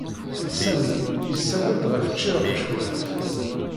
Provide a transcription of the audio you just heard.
Sami yessawel-d ɣef tcirqecwalt.